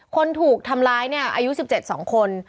คนถูกทำร้ายเนี่ยอายุ๑๗๒คน